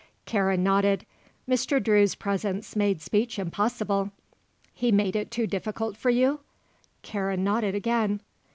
Karen nodded. Mr. Drew's presence made speech impossible. "He made it too difficult for you?" Karen nodded again.